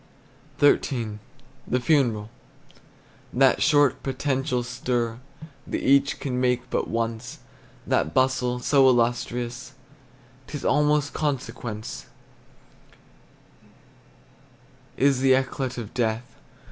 XIII. THE FUNERAL. That short, potential stir That each can make but once, That bustle so illustrious 'T is almost consequence, Is the eclat of death.